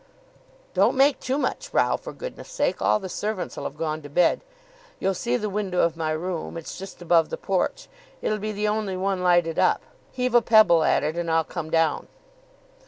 "Don't make too much row, for goodness sake. All the servants'll have gone to bed. You'll see the window of my room. It's just above the porch. It'll be the only one lighted up. Heave a pebble at it, and I'll come down."